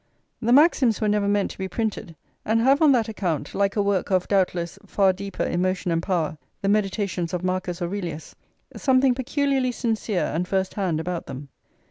The Maxims were never meant to be printed, and have on that account, like a work of, doubtless, far deeper emotion and power, the Meditations of Marcus Aurelius, something peculiarly sincere and first hand about them.